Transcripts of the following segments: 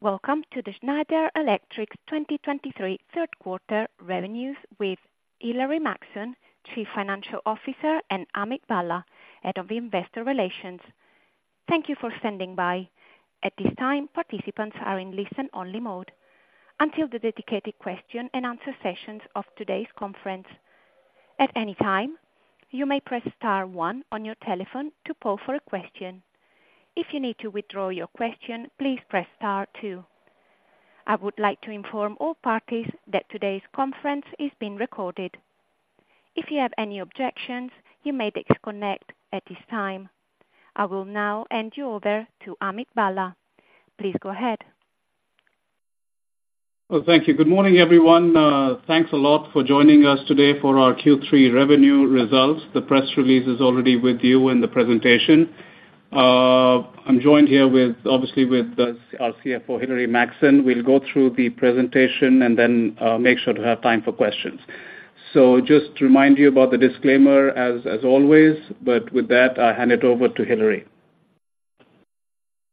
Welcome to the Schneider Electric 2023 third quarter revenues with Hilary Maxson, Chief Financial Officer, and Amit Bhalla, Head of Investor Relations. Thank you for standing by. At this time, participants are in listen-only mode until the dedicated question-and-answer sessions of today's conference. At any time, you may press star one on your telephone to poll for a question. If you need to withdraw your question, please press star two. I would like to inform all parties that today's conference is being recorded. If you have any objections, you may disconnect at this time. I will now hand you over to Amit Bhalla. Please go ahead. Well, thank you. Good morning, everyone. Thanks a lot for joining us today for our Q3 revenue results. The press release is already with you in the presentation. I'm joined here with, obviously, our CFO, Hilary Maxson. We'll go through the presentation and then make sure to have time for questions. So just to remind you about the disclaimer, as always, but with that, I'll hand it over to Hilary.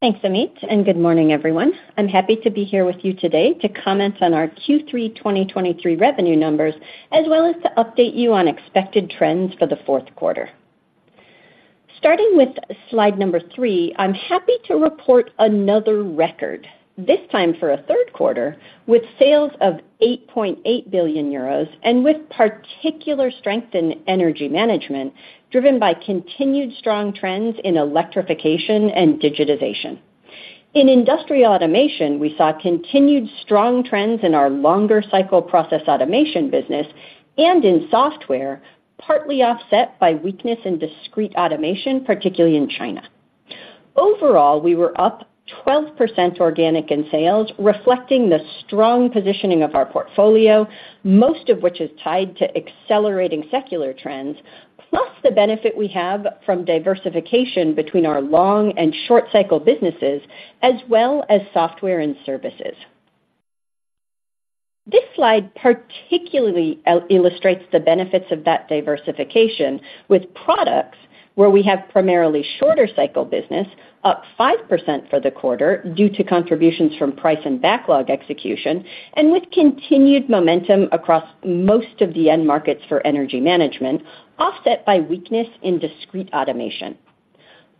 Thanks, Amit, and good morning, everyone. I'm happy to be here with you today to comment on our Q3 2023 revenue numbers, as well as to update you on expected trends for the fourth quarter. Starting with slide number 3, I'm happy to report another record, this time for a third quarter, with sales of 8.8 billion euros and with particular strength in energy management, driven by continued strong trends in electrification and digitization. In industrial automation, we saw continued strong trends in our longer cycle process automation business and in software, partly offset by weakness in discrete automation, particularly in China. Overall, we were up 12% organic in sales, reflecting the strong positioning of our portfolio, most of which is tied to accelerating secular trends, plus the benefit we have from diversification between our long and short cycle businesses, as well as software and services. This slide particularly illustrates the benefits of that diversification with products where we have primarily shorter cycle business, up 5% for the quarter due to contributions from price and backlog execution, and with continued momentum across most of the end markets for energy management, offset by weakness in discrete automation.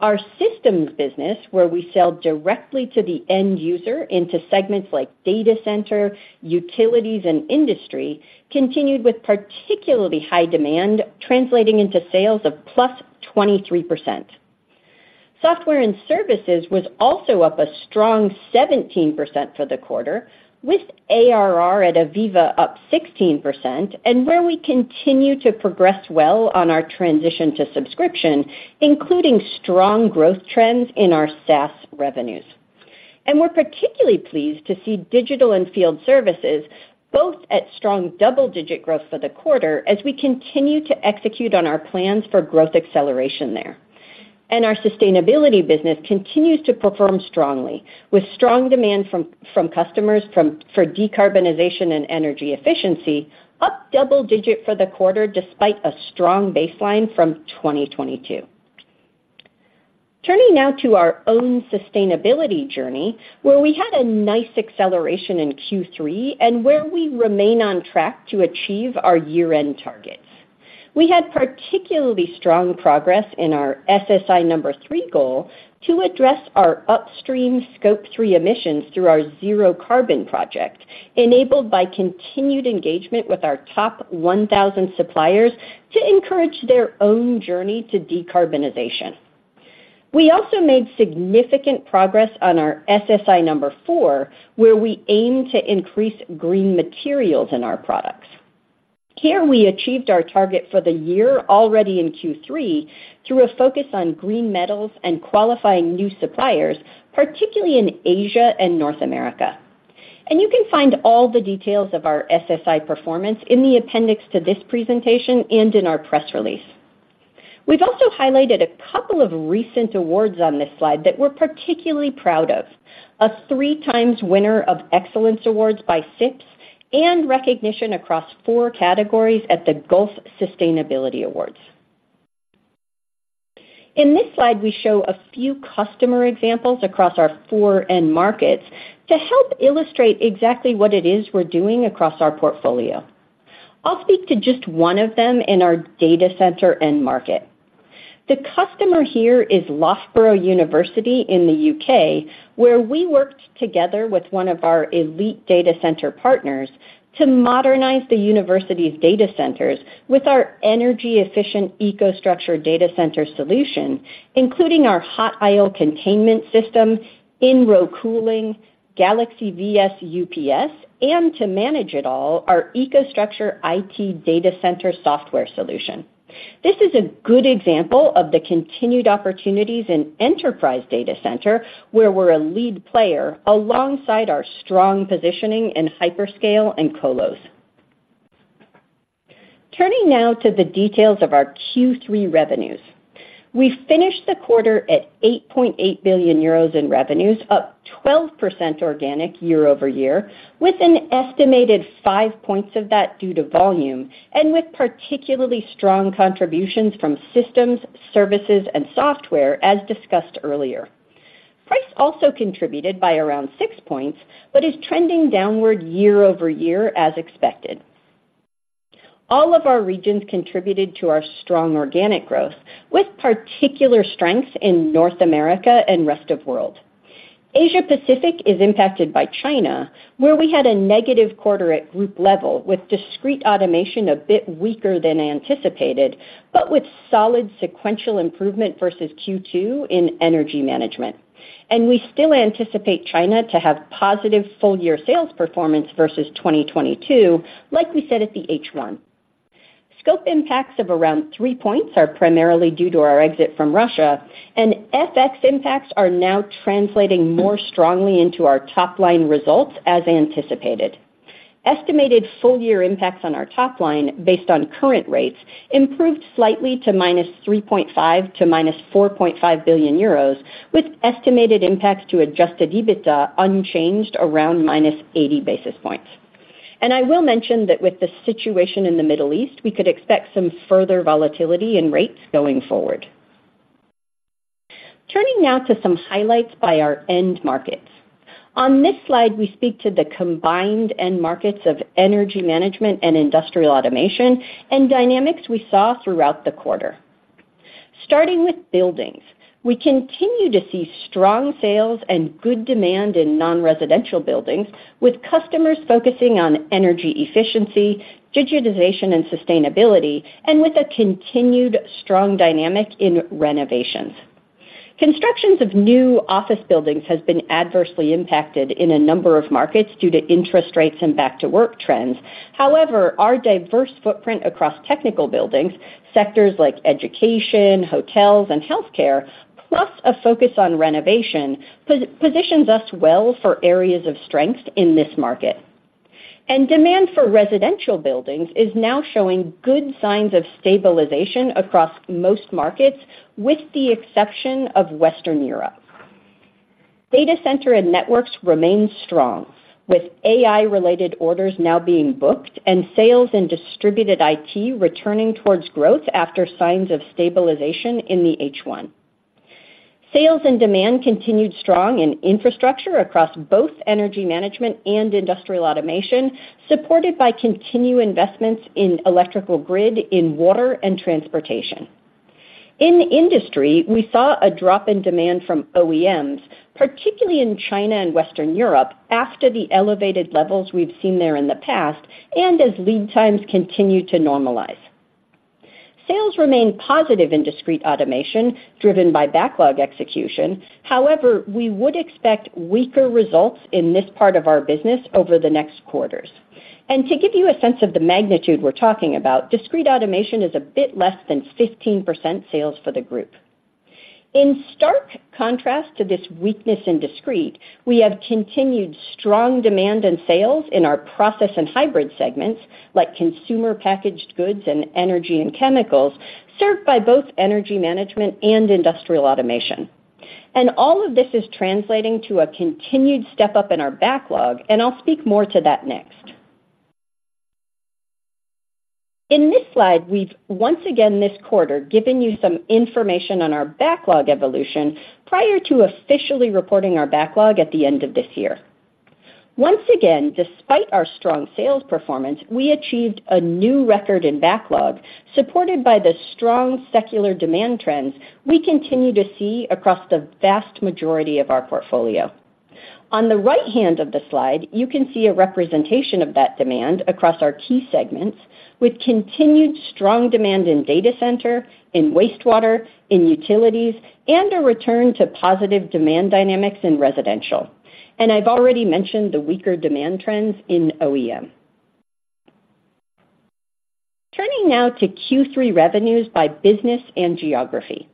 Our systems business, where we sell directly to the end user into segments like data center, utilities, and industry, continued with particularly high demand, translating into sales of +23%. Software and services was also up a strong 17% for the quarter, with ARR at AVEVA up 16%, and where we continue to progress well on our transition to subscription, including strong growth trends in our SaaS revenues. We're particularly pleased to see digital and field services both at strong double-digit growth for the quarter as we continue to execute on our plans for growth acceleration there. Our sustainability business continues to perform strongly, with strong demand from customers for decarbonization and energy efficiency, up double-digit for the quarter, despite a strong baseline from 2022. Turning now to our own sustainability journey, where we had a nice acceleration in Q3 and where we remain on track to achieve our year-end targets. We had particularly strong progress in our SSI number 3 goal to address our upstream Scope 3 emissions through our Zero Carbon Project, enabled by continued engagement with our top 1,000 suppliers to encourage their own journey to decarbonization. We also made significant progress on our SSI number 4, where we aim to increase green materials in our products. Here, we achieved our target for the year already in Q3, through a focus on green metals and qualifying new suppliers, particularly in Asia and North America. You can find all the details of our SSI performance in the appendix to this presentation and in our press release. We've also highlighted a couple of recent awards on this slide that we're particularly proud of: a three times winner of Excellence Awards by CIPS and recognition across four categories at the Gulf Sustainability Awards. In this slide, we show a few customer examples across our four end markets to help illustrate exactly what it is we're doing across our portfolio. I'll speak to just one of them in our data center end market. The customer here is Loughborough University in the U.K., where we worked together with one of our elite data center partners to modernize the university's data centers with our energy-efficient EcoStruxure data center solution, including our hot aisle containment system, InRow Cooling, Galaxy VS UPS, and to manage it all, our EcoStruxure IT data center software solution. This is a good example of the continued opportunities in Enterprise data center, where we're a lead player alongside our strong positioning in hyperscale and colos. Turning now to the details of our Q3 revenues. We finished the quarter at 8.8 billion euros in revenues, up 12% organic year-over-year, with an estimated five points of that due to volume and with particularly strong contributions from systems, services, and software, as discussed earlier. Price also contributed by around six points, but is trending downward year-over-year, as expected. All of our regions contributed to our strong organic growth, with particular strengths in North America and Rest of World. Asia Pacific is impacted by China, where we had a negative quarter at group level, with Discrete Automation a bit weaker than anticipated, but with solid sequential improvement versus Q2 in Energy Management. And we still anticipate China to have positive full-year sales performance versus 2022, like we said at the H1. Scope impacts of around 3 points are primarily due to our exit from Russia, and FX impacts are now translating more strongly into our top line results, as anticipated. Estimated full year impacts on our top line, based on current rates, improved slightly to -3.5 billion to -4.5 billion euros, with estimated impacts to Adjusted EBITDA unchanged around -80 basis points. I will mention that with the situation in the Middle East, we could expect some further volatility in rates going forward. Turning now to some highlights by our end markets. On this slide, we speak to the combined end markets of energy management and industrial automation and dynamics we saw throughout the quarter. Starting with buildings, we continue to see strong sales and good demand in non-residential buildings, with customers focusing on energy efficiency, digitization, and sustainability, and with a continued strong dynamic in renovations. Constructions of new office buildings has been adversely impacted in a number of markets due to interest rates and back to work trends. However, our diverse footprint across technical buildings, sectors like education, hotels, and healthcare, plus a focus on renovation, positions us well for areas of strength in this market. Demand for residential buildings is now showing good signs of stabilization across most markets, with the exception of Western Europe. Data Center and networks remain strong, with AI-related orders now being booked, and sales and Distributed IT returning towards growth after signs of stabilization in the H1. Sales and demand continued strong in infrastructure across both Energy Management and Industrial Automation, supported by continued investments in electrical grid, in water and transportation. In industry, we saw a drop in demand from OEMs, particularly in China and Western Europe, after the elevated levels we've seen there in the past, and as lead times continue to normalize. Sales remained positive in Discrete Automation, driven by backlog execution. However, we would expect weaker results in this part of our business over the next quarters. To give you a sense of the magnitude we're talking about, Discrete Automation is a bit less than 15% sales for the group. In stark contrast to this weakness in Discrete, we have continued strong demand and sales in our process and hybrid segments, like consumer packaged goods and energy and chemicals, served by both Energy Management and Industrial Automation. All of this is translating to a continued step-up in our backlog, and I'll speak more to that next. In this slide, we've once again this quarter given you some information on our backlog evolution prior to officially reporting our backlog at the end of this year. Once again, despite our strong sales performance, we achieved a new record in backlog, supported by the strong secular demand trends we continue to see across the vast majority of our portfolio. On the right hand of the slide, you can see a representation of that demand across our key segments, with continued strong demand in data center, in wastewater, in utilities, and a return to positive demand dynamics in residential. I've already mentioned the weaker demand trends in OEM. Turning now to Q3 revenues by business and geography.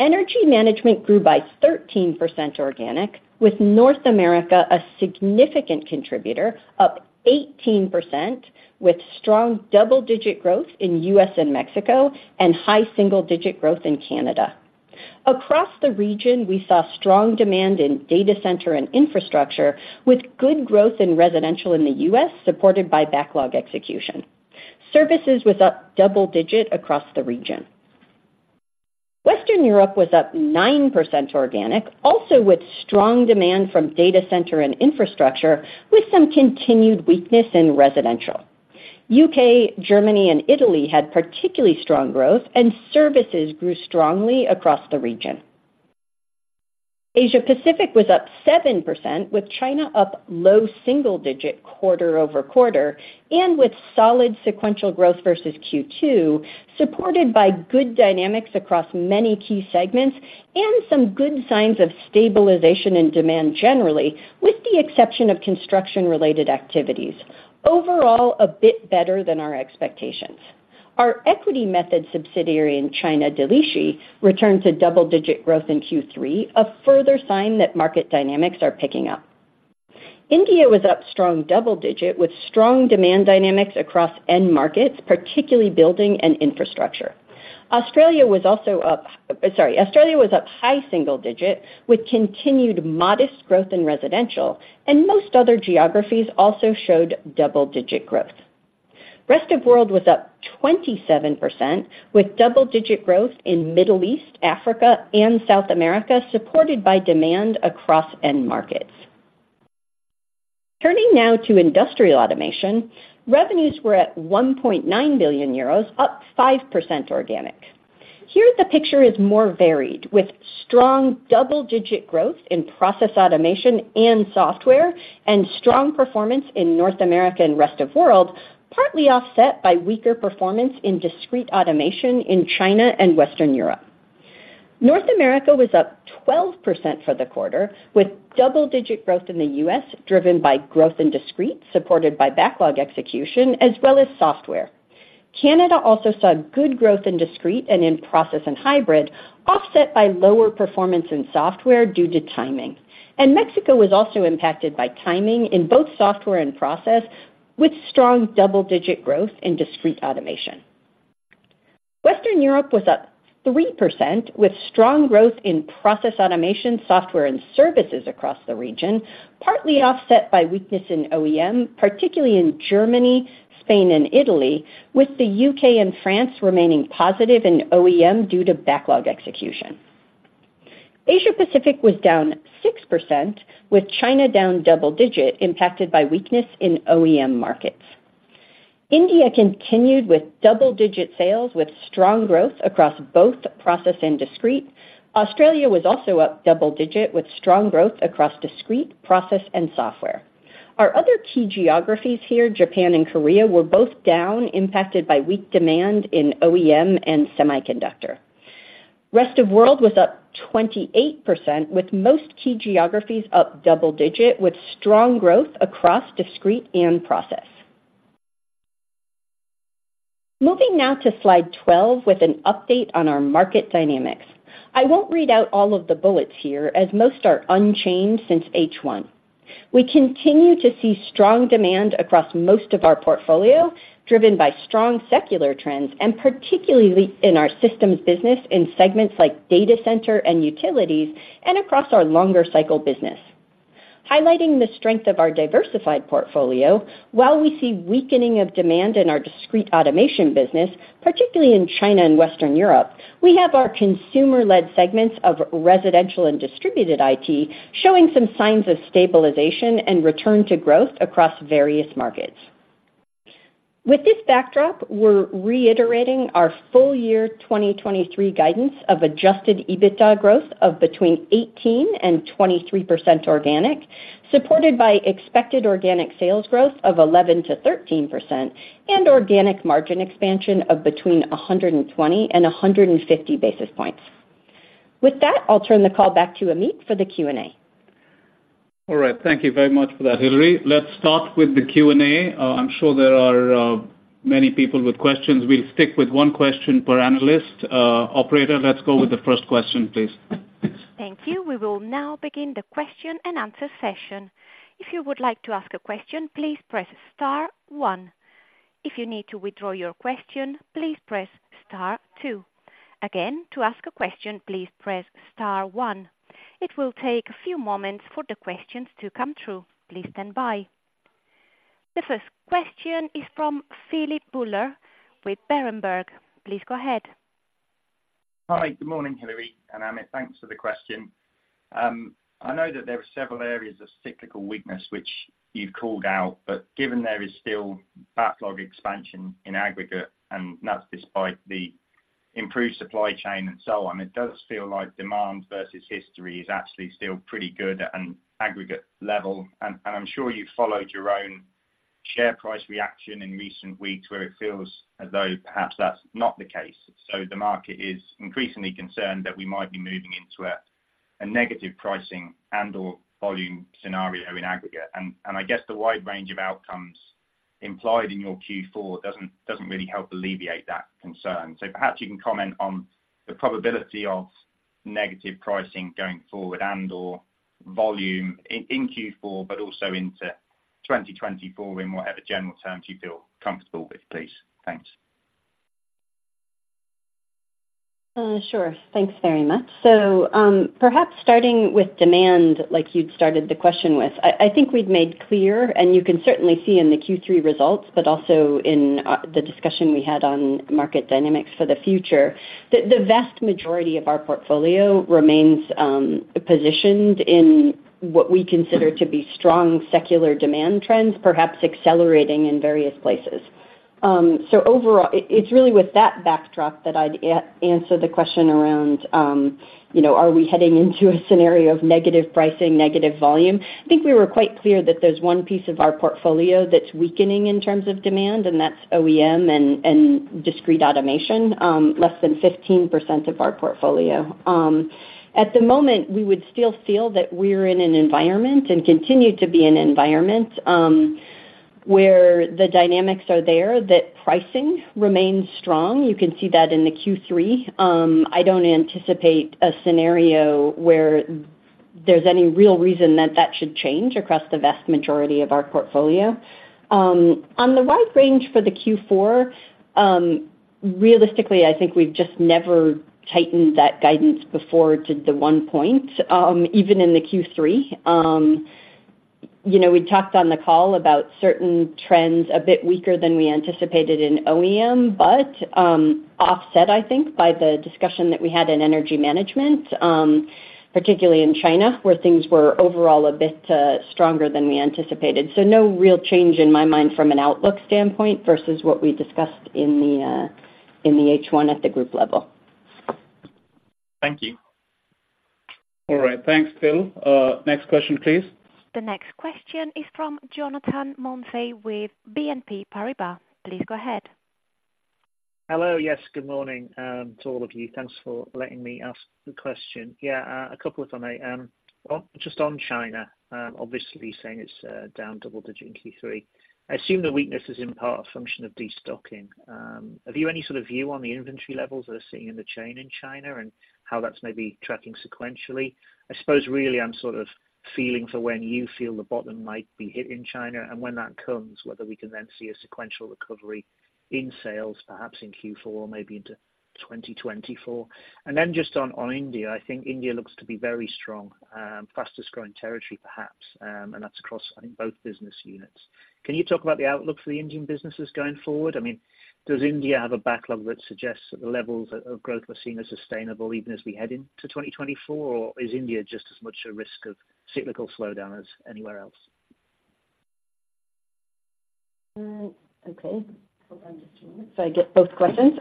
Energy Management grew by 13% organic, with North America a significant contributor, up 18%, with strong double-digit growth in U.S. and Mexico and high single-digit growth in Canada. Across the region, we saw strong demand in data center and infrastructure, with good growth in residential in the U.S., supported by backlog execution. Services was up double digit across the region. Western Europe was up 9% organic, also with strong demand from data center and infrastructure, with some continued weakness in residential. UK, Germany, and Italy had particularly strong growth, and services grew strongly across the region. Asia Pacific was up 7%, with China up low single digit quarter-over-quarter, and with solid sequential growth versus Q2, supported by good dynamics across many key segments and some good signs of stabilization and demand generally, with the exception of construction-related activities. Overall, a bit better than our expectations. Our equity method subsidiary in China, Delixi, returned to double-digit growth in Q3, a further sign that market dynamics are picking up. India was up strong double-digit, with strong demand dynamics across end markets, particularly building and infrastructure. Australia was also up... Sorry, Australia was up high single-digit, with continued modest growth in residential, and most other geographies also showed double-digit growth.... Rest of world was up 27%, with double-digit growth in Middle East, Africa, and South America, supported by demand across end markets. Turning now to Industrial Automation, revenues were at 1.9 billion euros, up 5% organic. Here, the picture is more varied, with strong double-digit growth in Process Automation and software, and strong performance in North America and Rest of World, partly offset by weaker performance in Discrete Automation in China and Western Europe. North America was up 12% for the quarter, with double-digit growth in the U.S., driven by growth in discrete, supported by backlog execution as well as software. Canada also saw good growth in discrete and in process and hybrid, offset by lower performance in software due to timing. Mexico was also impacted by timing in both software and process, with strong double-digit growth in Discrete Automation. Western Europe was up 3%, with strong growth in process automation, software, and services across the region, partly offset by weakness in OEM, particularly in Germany, Spain, and Italy, with the UK and France remaining positive in OEM due to backlog execution. Asia Pacific was down 6%, with China down double-digit, impacted by weakness in OEM markets. India continued with double-digit sales, with strong growth across both process and discrete. Australia was also up double-digit, with strong growth across discrete, process, and software. Our other key geographies here, Japan and Korea, were both down, impacted by weak demand in OEM and semiconductor. Rest of World was up 28%, with most key geographies up double-digit, with strong growth across discrete and process. Moving now to slide 12 with an update on our market dynamics. I won't read out all of the bullets here, as most are unchanged since H1. We continue to see strong demand across most of our portfolio, driven by strong secular trends, and particularly in our systems business in segments like data center and utilities, and across our longer cycle business. Highlighting the strength of our diversified portfolio, while we see weakening of demand in our Discrete Automation business, particularly in China and Western Europe, we have our consumer-led segments of residential and Distributed IT, showing some signs of stabilization and return to growth across various markets. With this backdrop, we're reiterating our full year 2023 guidance of Adjusted EBITDA growth of between 18%-23% organic, supported by expected organic sales growth of 11%-13% and organic margin expansion of between 120-150 basis points. With that, I'll turn the call back to Amit for the Q&A. All right. Thank you very much for that, Hilary. Let's start with the Q&A. I'm sure there are many people with questions. We'll stick with one question per analyst. Operator, let's go with the first question, please. Thank you. We will now begin the question and answer session. If you would like to ask a question, please press star one. If you need to withdraw your question, please press star two. Again, to ask a question, please press star one. It will take a few moments for the questions to come through. Please stand by. The first question is from Philip Buller with Berenberg. Please go ahead. Hi, good morning, Hilary and Amit. Thanks for the question. I know that there are several areas of cyclical weakness which you've called out, but given there is still backlog expansion in aggregate, and that's despite the improved supply chain and so on, it does feel like demand versus history is actually still pretty good at an aggregate level. And I'm sure you've followed your own share price reaction in recent weeks, where it feels as though perhaps that's not the case. So the market is increasingly concerned that we might be moving into a negative pricing and/or volume scenario in aggregate. And I guess the wide range of outcomes implied in your Q4 doesn't really help alleviate that concern. Perhaps you can comment on the probability of negative pricing going forward and/or volume in Q4, but also into 2024, in whatever general terms you feel comfortable with, please. Thanks. Sure. Thanks very much. So, perhaps starting with demand, like you'd started the question with, I think we've made clear, and you can certainly see in the Q3 results, but also in the discussion we had on market dynamics for the future, that the vast majority of our portfolio remains positioned in what we consider to be strong secular demand trends, perhaps accelerating in various places. So overall, it's really with that backdrop that I'd answer the question around, you know, are we heading into a scenario of negative pricing, negative volume? I think we were quite clear that there's one piece of our portfolio that's weakening in terms of demand, and that's OEM and Discrete Automation, less than 15% of our portfolio. At the moment, we would still feel that we're in an environment, and continue to be in an environment, where the dynamics are there, that pricing remains strong. You can see that in the Q3. I don't anticipate a scenario where there's any real reason that that should change across the vast majority of our portfolio. On the wide range for the Q4, realistically, I think we've just never tightened that guidance before to the one point, even in the Q3. You know, we talked on the call about certain trends a bit weaker than we anticipated in OEM, but, offset, I think, by the discussion that we had in Energy Management, particularly in China, where things were overall a bit, stronger than we anticipated. So no real change in my mind from an outlook standpoint versus what we discussed in the H1 at the group level. Thank you. All right. Thanks, Phil. Next question, please. The next question is from Jonathan Mounsey with BNP Paribas. Please go ahead. Hello. Yes, good morning to all of you. Thanks for letting me ask the question. Yeah, a couple of them. I, well, just on China, obviously saying it's down double digit in Q3. I assume the weakness is in part a function of destocking. Have you any sort of view on the inventory levels that are seeing in the chain in China and how that's maybe tracking sequentially? I suppose really I'm sort of feeling for when you feel the bottom might be hit in China, and when that comes, whether we can then see a sequential recovery in sales, perhaps in Q4, maybe into 2024. And then just on India. I think India looks to be very strong, fastest growing territory, perhaps, and that's across, I think, both business units. Can you talk about the outlook for the Indian businesses going forward? I mean, does India have a backlog that suggests that the levels of growth are seen as sustainable even as we head into 2024? Or is India just as much a risk of cyclical slowdown as anywhere else? Okay. Hold on just a minute, so I get both questions.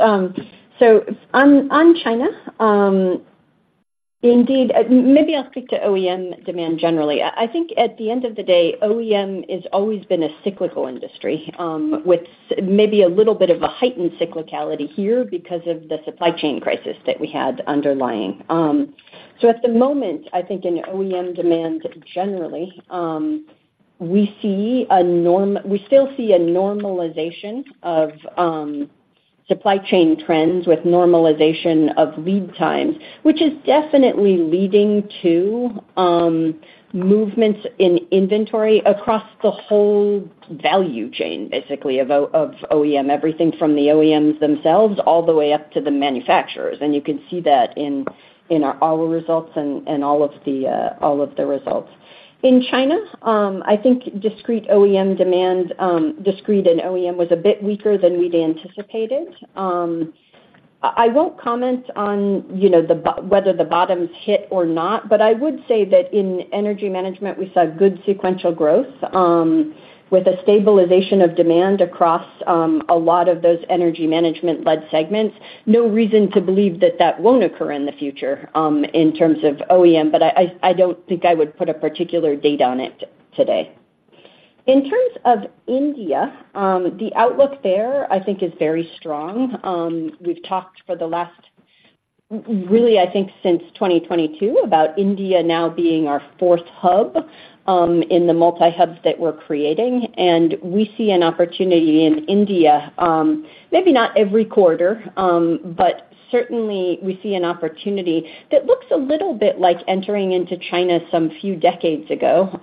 So on China, indeed, maybe I'll speak to OEM demand generally. I think at the end of the day, OEM has always been a cyclical industry, with maybe a little bit of a heightened cyclicality here because of the supply chain crisis that we had underlying. So at the moment, I think in OEM demand generally, we see a normalization, we still see a normalization of supply chain trends with normalization of lead times, which is definitely leading to movements in inventory across the whole value chain, basically, of OEM. Everything from the OEMs themselves, all the way up to the manufacturers, and you can see that in our results and all of the results. In China, I think Discrete OEM demand, Discrete and OEM was a bit weaker than we'd anticipated. I, I won't comment on, you know, whether the bottom's hit or not, but I would say that in Energy Management, we saw good sequential growth, with a stabilization of demand across, a lot of those Energy Management-led segments. No reason to believe that that won't occur in the future, in terms of OEM, but I, I, I don't think I would put a particular date on it today. In terms of India, the outlook there, I think, is very strong. We've talked for the last... Really, I think since 2022, about India now being our fourth hub in the multi-hubs that we're creating, and we see an opportunity in India, maybe not every quarter, but certainly we see an opportunity that looks a little bit like entering into China some few decades ago.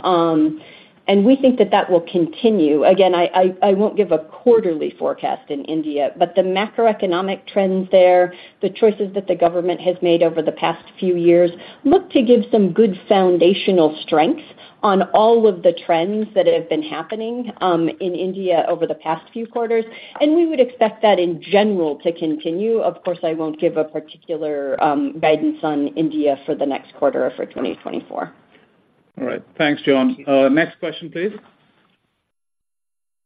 And we think that that will continue. Again, I won't give a quarterly forecast in India, but the macroeconomic trends there, the choices that the government has made over the past few years, look to give some good foundational strength on all of the trends that have been happening in India over the past few quarters, and we would expect that, in general, to continue. Of course, I won't give a particular guidance on India for the next quarter or for 2024. All right. Thanks, John. Thank you. Next question, please.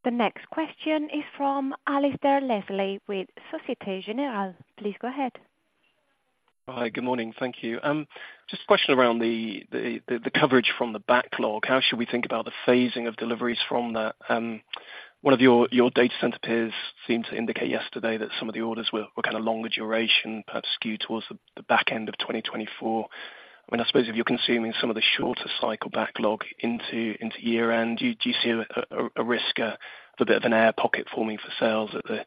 The next question is from Alasdair Leslie with Société Générale. Please go ahead. Hi, good morning. Thank you. Just a question around the coverage from the backlog. How should we think about the phasing of deliveries from that? One of your data center peers seemed to indicate yesterday that some of the orders were kind of longer duration, perhaps skewed towards the back end of 2024. I mean, I suppose if you're consuming some of the shorter cycle backlog into year-end, do you see a risk for a bit of an air pocket forming for sales at the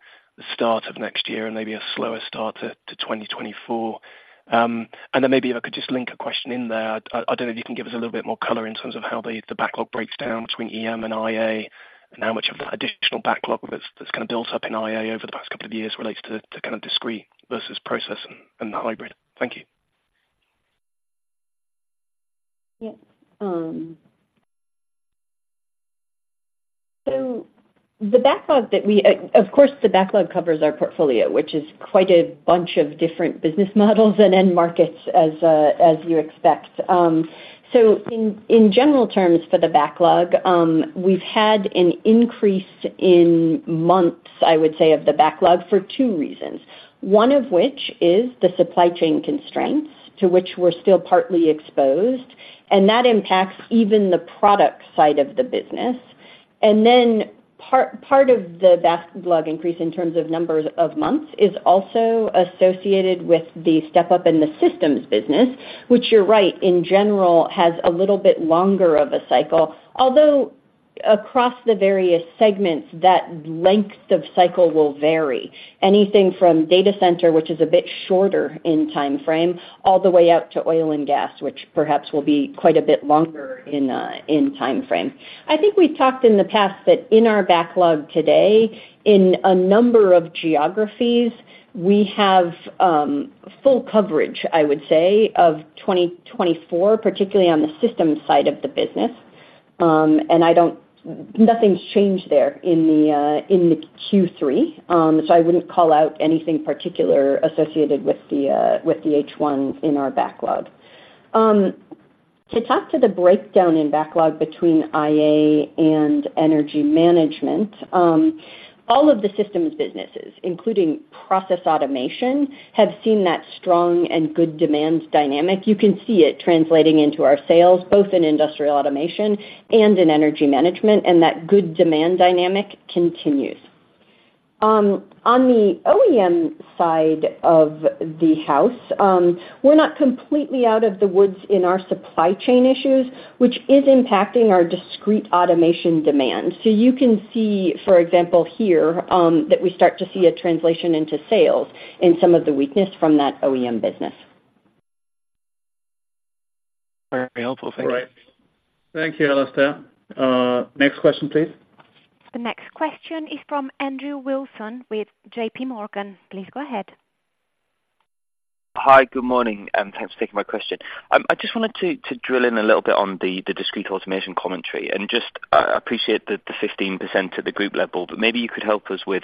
start of next year and maybe a slower start to 2024? And then maybe if I could just link a question in there, I don't know if you can give us a little bit more color in terms of how the backlog breaks down between EM and IA, and how much of that additional backlog that's kind of built up in IA over the past couple of years relates to kind of discrete versus process and the hybrid. Thank you. Yes. So the backlog that we... Of course, the backlog covers our portfolio, which is quite a bunch of different business models and end markets as, as you expect. So in general terms for the backlog, we've had an increase in months, I would say, of the backlog for two reasons. One of which is the supply chain constraints, to which we're still partly exposed, and that impacts even the product side of the business. And then part of the backlog increase in terms of numbers of months, is also associated with the step up in the systems business, which you're right, in general, has a little bit longer of a cycle. Although, across the various segments, that length of cycle will vary. Anything from data center, which is a bit shorter in timeframe, all the way out to oil and gas, which perhaps will be quite a bit longer in timeframe. I think we've talked in the past that in our backlog today, in a number of geographies, we have full coverage, I would say, of 2024, particularly on the systems side of the business. And I don't—nothing's changed there in the Q3. So I wouldn't call out anything particular associated with the H1 in our backlog. To talk to the breakdown in backlog between IA and Energy Management, all of the systems businesses, including process automation, have seen that strong and good demand dynamic. You can see it translating into our sales, both in Industrial Automation and in Energy Management, and that good demand dynamic continues. On the OEM side of the house, we're not completely out of the woods in our supply chain issues, which is impacting our discrete automation demand. So you can see, for example, here, that we start to see a translation into sales in some of the weakness from that OEM business. Very helpful. Thank you. All right. Thank you, Alasdair. Next question, please. The next question is from Andrew Wilson with JP Morgan. Please go ahead. Hi, good morning, and thanks for taking my question. I just wanted to drill in a little bit on the Discrete Automation commentary. And just, I appreciate the 15% at the group level, but maybe you could help us with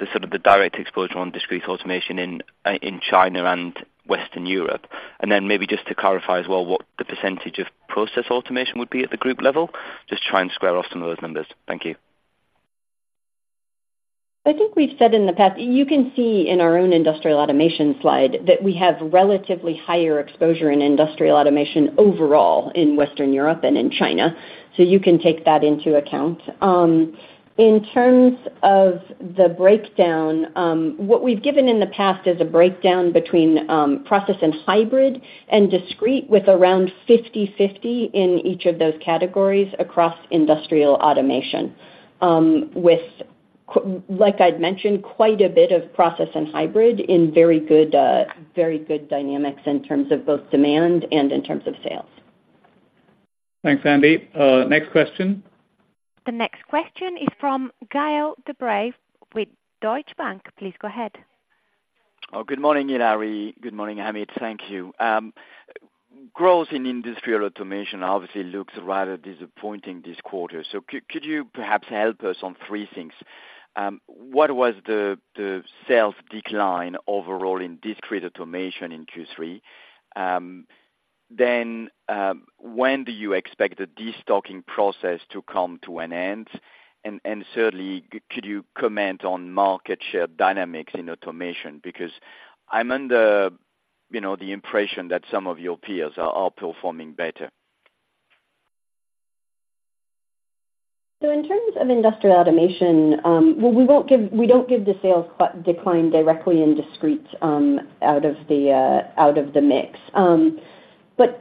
the sort of the direct exposure on Discrete Automation in China and Western Europe. And then maybe just to clarify as well, what the percentage of Process Automation would be at the group level. Just try and square off some of those numbers. Thank you. I think we've said in the past, you can see in our own industrial automation slide that we have relatively higher exposure in industrial automation overall in Western Europe and in China, so you can take that into account. In terms of the breakdown, what we've given in the past is a breakdown between, process and hybrid and discrete, with around 50/50 in each of those categories across industrial automation. With like I'd mentioned, quite a bit of process and hybrid in very good, very good dynamics in terms of both demand and in terms of sales. Thanks, Andy. Next question? The next question is from Gaël de Bray with Deutsche Bank. Please go ahead. Oh, good morning, Hilary. Good morning, Amit. Thank you. Growth in Industrial Automation obviously looks rather disappointing this quarter. So could you perhaps help us on three things? What was the sales decline overall in Discrete Automation in Q3? Then, when do you expect the destocking process to come to an end? And thirdly, could you comment on market share dynamics in automation? Because I'm under, you know, the impression that some of your peers are outperforming better. So in terms of industrial automation, well, we won't give—we don't give the sales decline directly in discrete out of the mix. But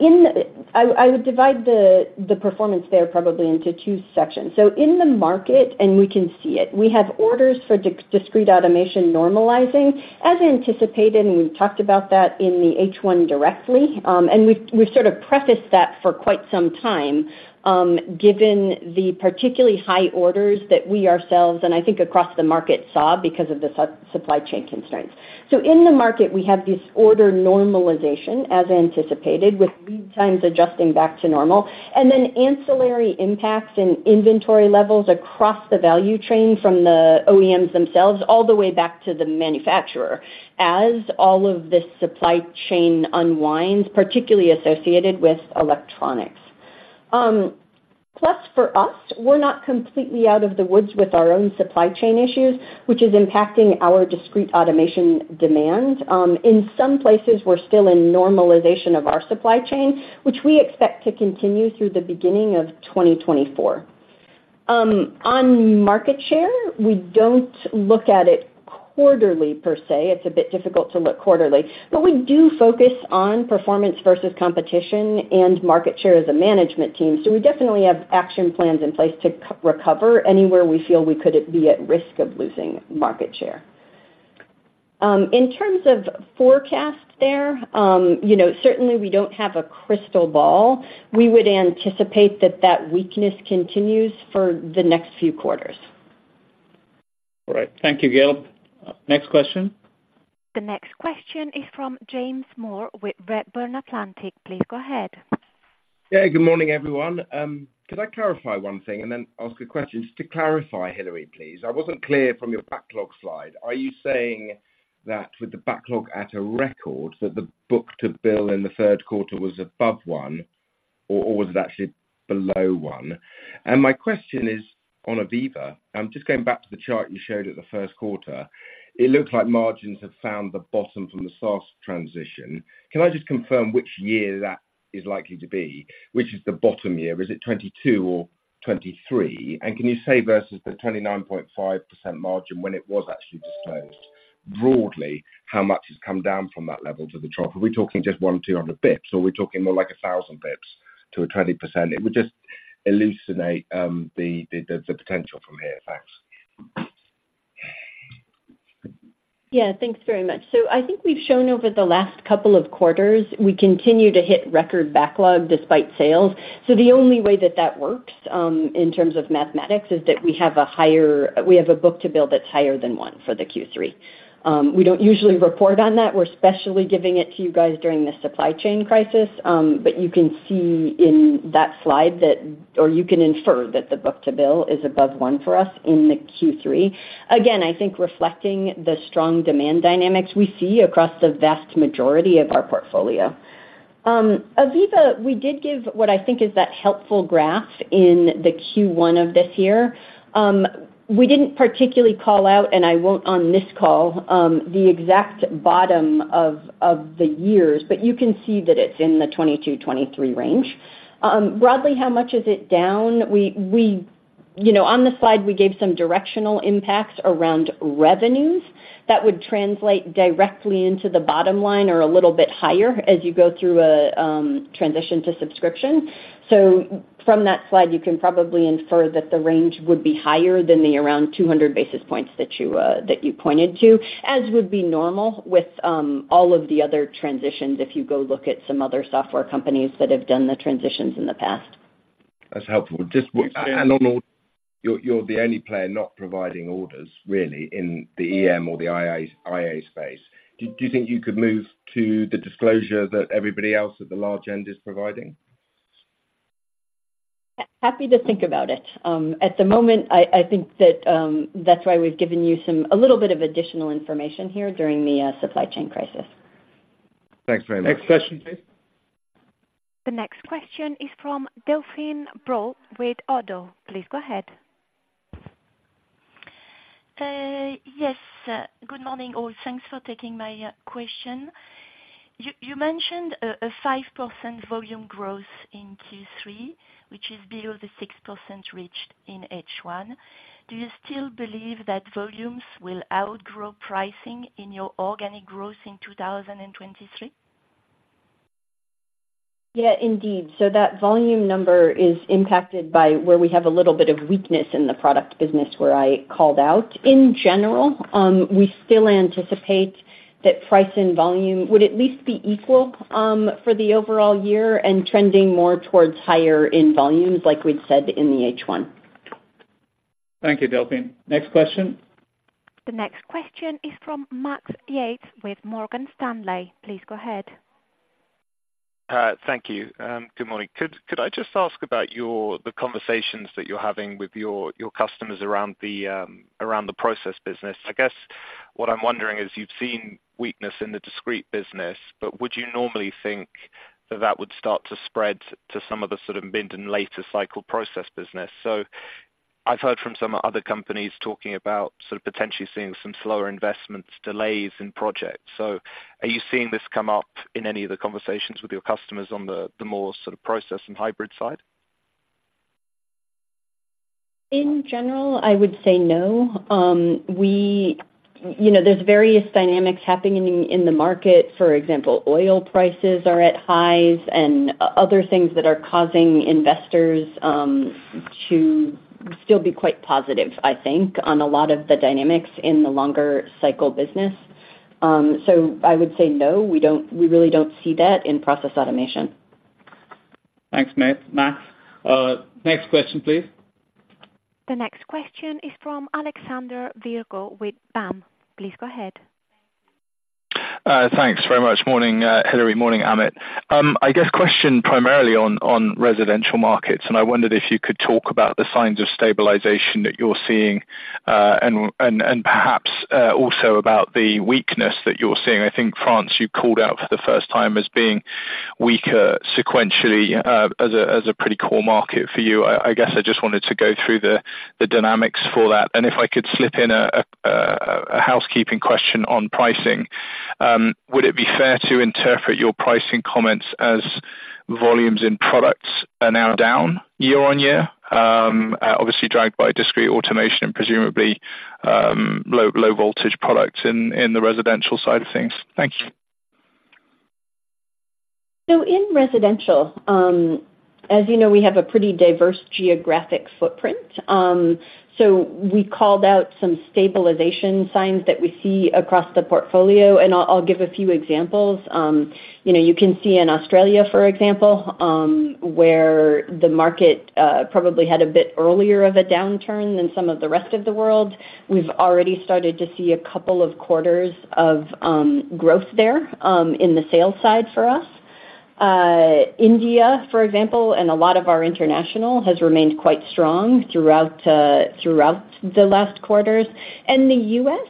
I would divide the performance there probably into two sections. So in the market, and we can see it, we have orders for discrete automation normalizing, as anticipated, and we've talked about that in the H1 directly. And we've sort of prefaced that for quite some time, given the particularly high orders that we ourselves, and I think across the market, saw because of the supply chain constraints. So in the market, we have this order normalization, as anticipated, with lead times adjusting back to normal, and then ancillary impacts and inventory levels across the value chain from the OEMs themselves, all the way back to the manufacturer, as all of this supply chain unwinds, particularly associated with electronics. Plus, for us, we're not completely out of the woods with our own supply chain issues, which is impacting our discrete automation demand. In some places, we're still in normalization of our supply chain, which we expect to continue through the beginning of 2024. On market share, we don't look at it quarterly per se. It's a bit difficult to look quarterly, but we do focus on performance versus competition and market share as a management team. So we definitely have action plans in place to recover anywhere we feel we could be at risk of losing market share. In terms of forecasts there, you know, certainly we don't have a crystal ball. We would anticipate that that weakness continues for the next few quarters. All right. Thank you, Gael. Next question? The next question is from James Moore with Redburn Atlantic. Please go ahead. Yeah, good morning, everyone. Could I clarify one thing and then ask a question? Just to clarify, Hilary, please, I wasn't clear from your backlog slide. Are you saying that with the backlog at a record, that the book-to-bill in the third quarter was above 1, or was it actually below 1? And my question is on AVEVA. I'm just going back to the chart you showed at the first quarter. It looks like margins have found the bottom from the SaaS transition. Can I just confirm which year that is likely to be? Which is the bottom year, is it 2022 or 2023? And can you say versus the 29.5% margin when it was actually disclosed, broadly, how much has come down from that level to the trough? Are we talking just 100-200 basis points, or are we talking more like 1,000 basis points to 20%? It would just elucidate the potential from here. Thanks. ... Yeah, thanks very much. So I think we've shown over the last couple of quarters, we continue to hit record backlog despite sales. So the only way that that works, in terms of mathematics, is that we have a book-to-bill that's higher than 1 for the Q3. We don't usually report on that. We're specifically giving it to you guys during the supply chain crisis. But you can see in that slide that, or you can infer that the book-to-bill is above 1 for us in the Q3. Again, I think reflecting the strong demand dynamics we see across the vast majority of our portfolio. AVEVA, we did give what I think is that helpful graph in the Q1 of this year. We didn't particularly call out, and I won't on this call, the exact bottom of the years, but you can see that it's in the 2022-2023 range. Broadly, how much is it down? We you know, on the slide, we gave some directional impacts around revenues that would translate directly into the bottom line or a little bit higher as you go through a transition to subscription. So from that slide, you can probably infer that the range would be higher than the around 200 basis points that you pointed to, as would be normal with all of the other transitions, if you go look at some other software companies that have done the transitions in the past. That's helpful. And on all, you're the only player not providing orders, really, in the EM or the IA space. Do you think you could move to the disclosure that everybody else at the large end is providing? Happy to think about it. At the moment, I think that, that's why we've given you some... a little bit of additional information here during the supply chain crisis. Thanks very much. Next question, please. The next question is from Delphine Brault with Oddo. Please go ahead. Yes, good morning, all. Thanks for taking my question. You mentioned a 5% volume growth in Q3, which is below the 6% reached in H1. Do you still believe that volumes will outgrow pricing in your organic growth in 2023? Yeah, indeed. So that volume number is impacted by where we have a little bit of weakness in the product business, where I called out. In general, we still anticipate that price and volume would at least be equal, for the overall year and trending more towards higher in volumes, like we'd said in the H1. Thank you, Delphine. Next question. The next question is from Max Yates with Morgan Stanley. Please go ahead. Thank you. Good morning. Could I just ask about the conversations that you're having with your customers around the process business? I guess what I'm wondering is, you've seen weakness in the discrete business, but would you normally think that that would start to spread to some of the sort of mid and later cycle process business? So I've heard from some other companies talking about sort of potentially seeing some slower investments, delays in projects. So are you seeing this come up in any of the conversations with your customers on the more sort of process and hybrid side? In general, I would say no. We—you know, there's various dynamics happening in the market. For example, oil prices are at highs and other things that are causing investors to still be quite positive, I think, on a lot of the dynamics in the longer cycle business. So I would say, no, we don't, we really don't see that in process automation. Thanks, Max. Next question, please. The next question is from Alexander Virgo with BAM. Please go ahead. Thanks very much. Morning, Hilary, morning, Amit. I guess question primarily on residential markets, and I wondered if you could talk about the signs of stabilization that you're seeing, and perhaps also about the weakness that you're seeing. I think France, you called out for the first time as being weaker sequentially, as a pretty core market for you. I guess I just wanted to go through the dynamics for that. And if I could slip in a housekeeping question on pricing, would it be fair to interpret your pricing comments as volumes in products are now down year-over-year? Obviously dragged by Discrete Automation and presumably low voltage products in the residential side of things. Thank you. So in residential, as you know, we have a pretty diverse geographic footprint. So we called out some stabilization signs that we see across the portfolio, and I'll give a few examples. You know, you can see in Australia, for example, where the market probably had a bit earlier of a downturn than some of the rest of the world. We've already started to see a couple of quarters of growth there in the sales side for us. India, for example, and a lot of our international, has remained quite strong throughout the last quarters. And the US,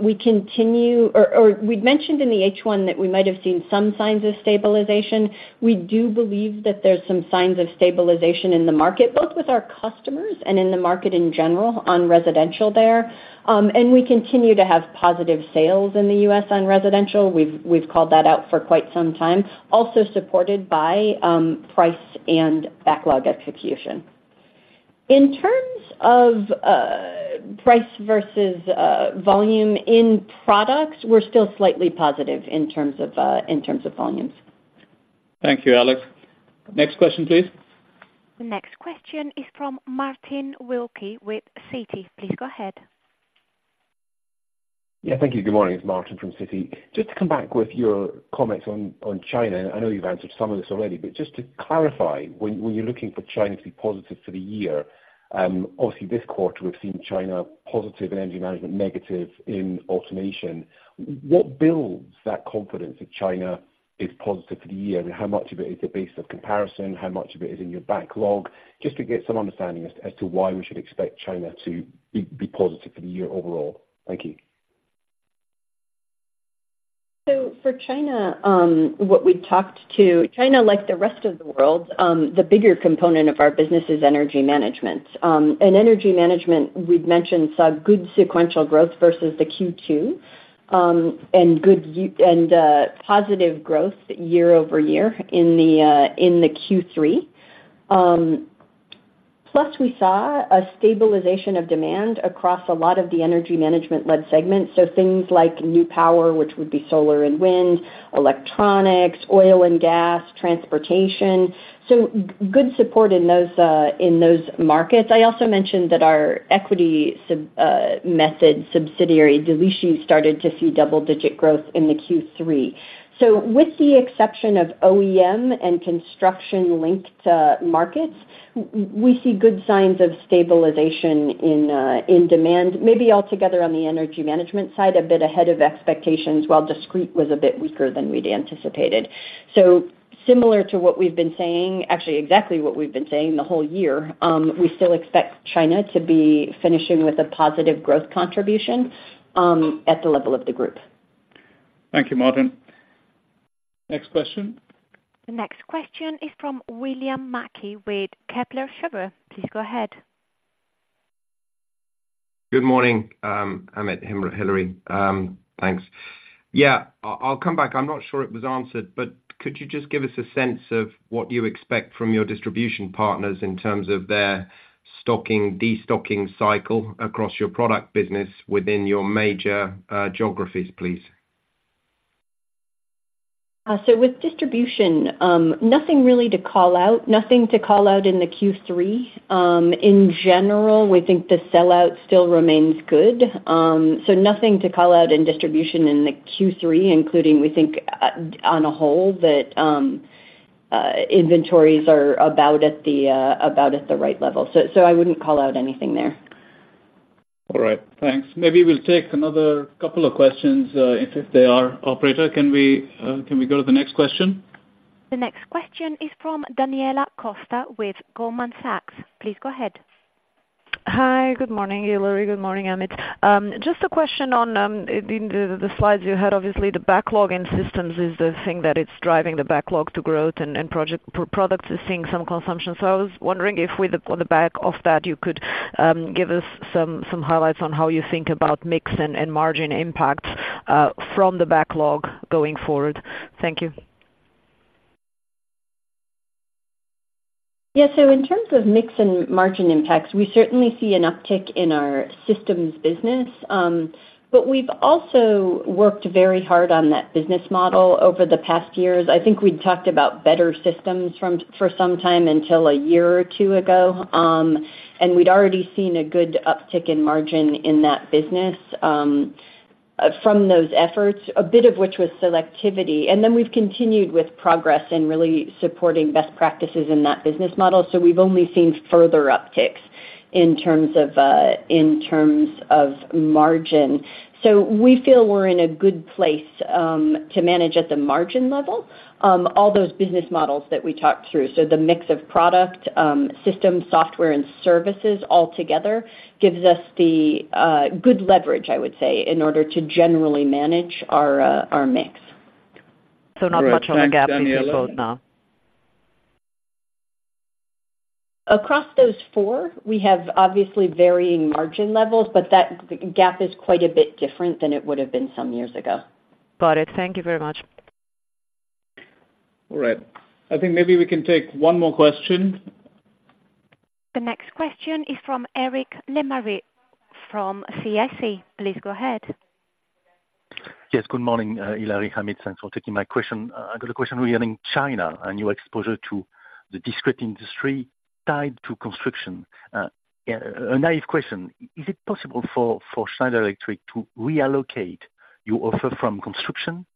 we continue... or we'd mentioned in the H1 that we might have seen some signs of stabilization. We do believe that there's some signs of stabilization in the market, both with our customers and in the market in general, on residential there. And we continue to have positive sales in the US on residential. We've, we've called that out for quite some time, also supported by, price and backlog execution. In terms of, price versus, volume in products, we're still slightly positive in terms of, in terms of volumes. Thank you, Alex. Next question, please. The next question is from Martin Wilkie with Citi. Please go ahead. Yeah, thank you. Good morning. It's Martin from Citi. Just to come back with your comments on China, I know you've answered some of this already, but just to clarify, when you're looking for China to be positive for the year, obviously this quarter, we've seen China positive in energy management, negative in automation. What builds that confidence that China is positive for the year? How much of it is a base of comparison? How much of it is in your backlog? Just to get some understanding as to why we should expect China to be positive for the year overall. Thank you. So for China, like the rest of the world, the bigger component of our business is Energy Management. And Energy Management, we've mentioned, saw good sequential growth versus the Q2, and good year-over-year and positive growth year-over-year in the Q3. Plus, we saw a stabilization of demand across a lot of the Energy Management-led segments, so things like new power, which would be solar and wind, electronics, oil and gas, transportation, so good support in those markets. I also mentioned that our equity method subsidiary, Delixi, started to see double-digit growth in the Q3. So with the exception of OEM and construction-linked markets, we see good signs of stabilization in demand, maybe altogether on the energy management side, a bit ahead of expectations, while discrete was a bit weaker than we'd anticipated. So similar to what we've been saying, actually, exactly what we've been saying the whole year, we still expect China to be finishing with a positive growth contribution, at the level of the group. Thank you, Martin. Next question? The next question is from William Mackie with Kepler Cheuvreux. Please go ahead. Good morning, Amit, Hilary. Thanks. Yeah, I'll come back. I'm not sure it was answered, but could you just give us a sense of what you expect from your distribution partners in terms of their stocking, destocking cycle across your product business within your major geographies, please? So with distribution, nothing really to call out. Nothing to call out in the Q3. In general, we think the sell-out still remains good. So nothing to call out in distribution in the Q3, including, we think, on a whole, that inventories are about at the right level. So I wouldn't call out anything there. All right, thanks. Maybe we'll take another couple of questions, if they are... Operator, can we go to the next question? The next question is from Daniela Costa with Goldman Sachs. Please go ahead. Hi, good morning, Hilary. Good morning, Amit. Just a question on the slides you had. Obviously, the backlog in systems is the thing that is driving the backlog to growth and project, product is seeing some consumption. So I was wondering if, on the back of that, you could give us some highlights on how you think about mix and margin impacts from the backlog going forward. Thank you. Yeah. So in terms of mix and margin impacts, we certainly see an uptick in our systems business. But we've also worked very hard on that business model over the past years. I think we've talked about better systems for some time until a year or two ago, and we'd already seen a good uptick in margin in that business, from those efforts, a bit of which was selectivity. And then we've continued with progress in really supporting best practices in that business model, so we've only seen further upticks in terms of, in terms of margin. So we feel we're in a good place, to manage at the margin level, all those business models that we talked through. So the mix of product, system, software and services all together gives us the good leverage, I would say, in order to generally manage our mix. So, not much of a gap in the roadmap now? All right. Thanks, Daniela. Across those four, we have obviously varying margin levels, but that gap is quite a bit different than it would have been some years ago. Got it. Thank you very much. All right. I think maybe we can take one more question. The next question is from Eric Lemarie from CIC. Please go ahead. Yes, good morning, Hilary, Amit, thanks for taking my question. I got a question regarding China and your exposure to the discrete industry tied to construction. Yeah, a naive question: Is it possible for Schneider Electric to reallocate your offer from construction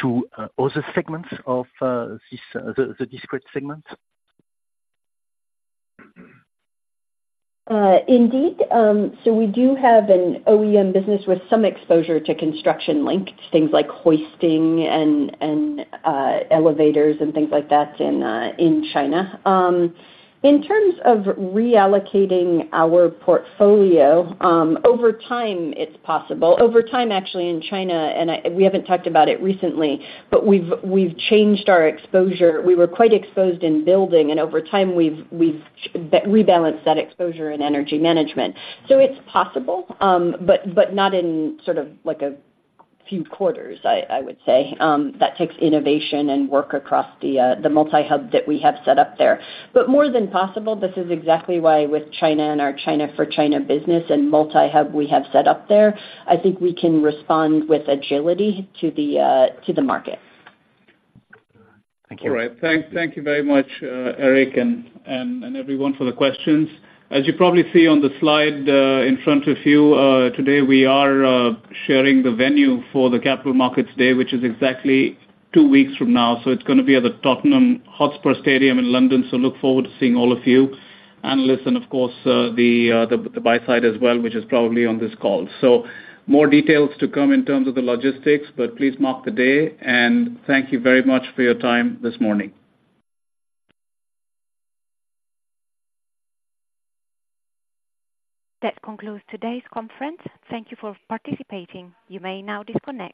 to other segments of the discrete segments? Indeed. So we do have an OEM business with some exposure to construction-linked things like hoisting and elevators and things like that in China. In terms of reallocating our portfolio, over time, it's possible. Over time, actually, in China, and we haven't talked about it recently, but we've changed our exposure. We were quite exposed in building, and over time, we've rebalanced that exposure in Energy Management. So it's possible, but not in sort of like a few quarters, I would say. That takes innovation and work across the multi-hub that we have set up there. But more than possible, this is exactly why, with China and our China for China business and multi-hub we have set up there, I think we can respond with agility to the market. Thank you. All right. Thank you very much, Eric and everyone for the questions. As you probably see on the slide in front of you, today we are sharing the venue for the Capital Markets Day, which is exactly two weeks from now. So it's gonna be at the Tottenham Hotspur Stadium in London. So look forward to seeing all of you, analysts, and of course, the buy side as well, which is probably on this call. So more details to come in terms of the logistics, but please mark the day, and thank you very much for your time this morning. That concludes today's conference. Thank you for participating. You may now disconnect.